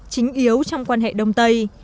tính yếu trong quan hệ đông tây